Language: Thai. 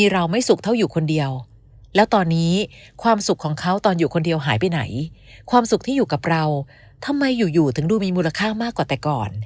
แล้วทำไมอยู่ถึงดูมีมูลค่ามากกว่าแต่ก่อน